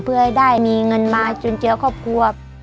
เพื่อให้ได้มีเงินมาจุนเจือครอบครัว